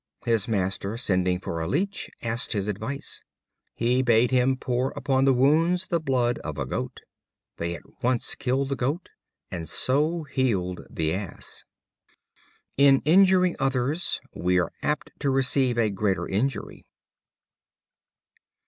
His master, sending for a leech, asked his advice. He bade him pour upon the wounds the blood of a Goat. They at once killed the Goat, and so healed the Ass. In injuring others we are apt to receive a greater injury.